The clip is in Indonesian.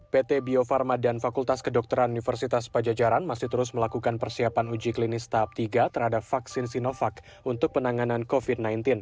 pt bio farma dan fakultas kedokteran universitas pajajaran masih terus melakukan persiapan uji klinis tahap tiga terhadap vaksin sinovac untuk penanganan covid sembilan belas